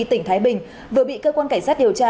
tỉnh thái bình vừa bị cơ quan cảnh sát điều tra